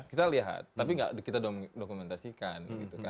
kita lihat tapi nggak kita dokumentasikan